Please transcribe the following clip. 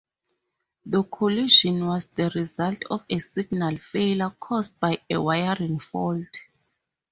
The collision was the result of a signal failure caused by a wiring fault.